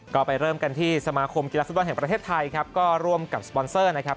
ก็ไปเริ่มกันที่สมาคมกีฬาฟุตบอลแห่งประเทศไทยครับก็ร่วมกับสปอนเซอร์นะครับ